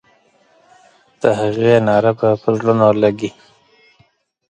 د هغې ناره به پر زړونو لګي.